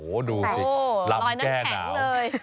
โหดูสิลำแก่หนาว